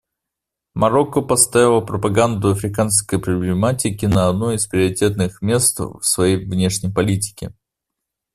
Марокко поставило пропаганду африканской проблематики на одно из приоритетных мест в своей внешней политике.